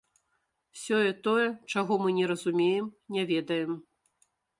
Сёе-тое, чаго мы не разумеем, не ведаем.